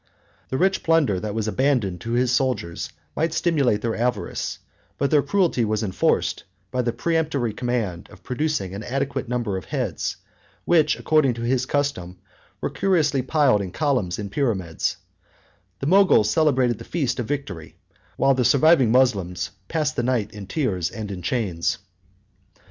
The rich plunder that was abandoned to his soldiers might stimulate their avarice; but their cruelty was enforced by the peremptory command of producing an adequate number of heads, which, according to his custom, were curiously piled in columns and pyramids: the Moguls celebrated the feast of victory, while the surviving Moslems passed the night in tears and in chains.